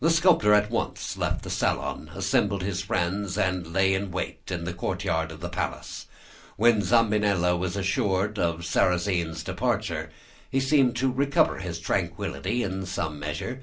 "The sculptor at once left the salon, assembled his friends, and lay in wait in the courtyard of the palace. When Zambinella was assured of Sarrasine's departure he seemed to recover his tranquillity in some measure.